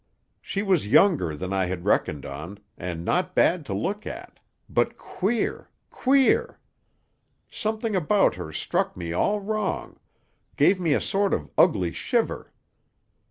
"She was younger than I had reckoned on, and not bad to look at, but queer, queer! Something about her struck me all wrong; gave me a sort of ugly shiver.